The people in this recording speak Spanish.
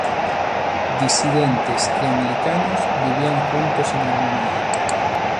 Disidentes y anglicanos vivían juntos en armonía.